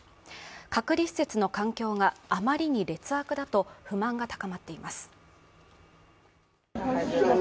隔離施設の環境が余りに劣悪だと不満が高まっています。